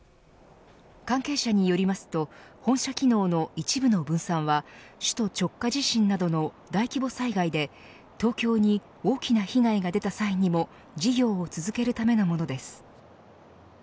関係者によりますと本社機能の一部の分散は首都直下地震などの大規模災害で東京に大きな被害が出た際にも事業を続けるためのものです。